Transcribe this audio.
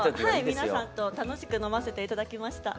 皆さんと楽しく飲ませて頂きました。